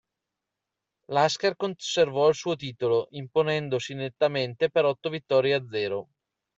Lasker conservò il suo titolo, imponendosi nettamente per otto vittorie a zero.